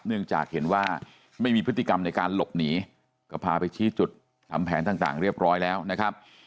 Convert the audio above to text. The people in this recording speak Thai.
เนื่องจากเห็นว่าไม่มีพฤติกรรมในการหลบหนีก็พาไปชี้จุดทำแผนต่างเรียบร้อยแล้วนะครับ